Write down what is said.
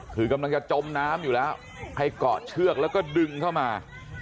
คือกำลังจะจมน้ำอยู่แล้วให้เกาะเชือกแล้วก็ดึงเข้ามา